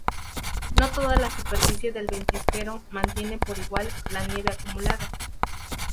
No toda la superficie del ventisquero mantiene por igual la nieve acumulada.